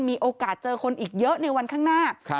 มีโอกาสเจอคนอีกเยอะในวันข้างหน้า